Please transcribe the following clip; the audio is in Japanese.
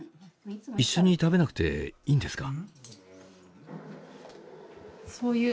一緒に食べなくていいんですか？